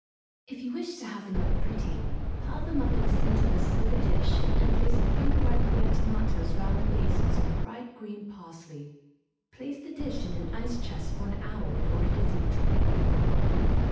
If you wish to have them look pretty, pile them up in the centre of a silver dish, and place a few ripe red tomatoes round the base on some bright green parsley. Place the dish in an ice chest for an hour before it is eaten.